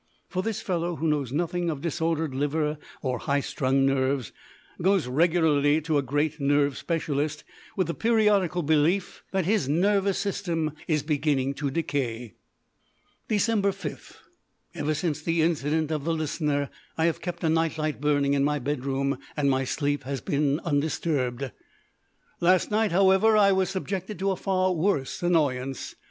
For this fellow, who knows nothing of disordered liver or high strung nerves, goes regularly to a great nerve specialist with the periodical belief that his nervous system is beginning to decay. Dec. 5. Ever since the incident of the Listener, I have kept a night light burning in my bedroom, and my sleep has been undisturbed. Last night, however, I was subjected to a far worse annoyance.